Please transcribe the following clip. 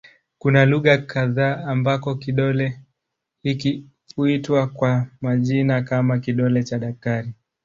Kuna lugha kadha ambako kidole hiki huitwa kwa majina kama "kidole cha daktari".